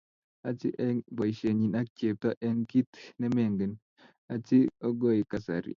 Haji eng boisienyii ak chepto eng kit nemengen Haji okoi kasari